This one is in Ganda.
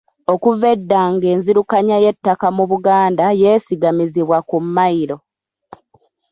Okuva edda nga enzirukanya y'ettaka mu Buganda yeesigamizibwa ku mmayiro.